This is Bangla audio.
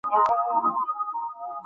আমি সেই থেকে নিভৃতে বসবাস করছি।